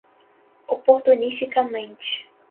oportunisticamente